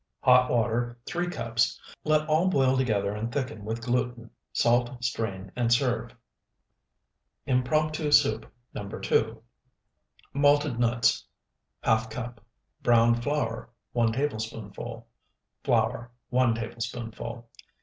Hot water, 3 cups. Let all boil together and thicken with gluten; salt, strain, and serve. IMPROMPTU SOUP NO. 2 Malted nuts, ½ cup. Browned flour, 1 tablespoonful. Flour, 1 tablespoonful.